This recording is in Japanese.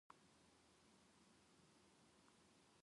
バス通学は効率が悪いと思った